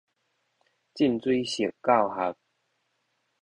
浸水式教學